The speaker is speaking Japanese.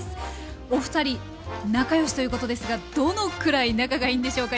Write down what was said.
おふたり仲よしということですがどのくらい仲がいいんでしょうか？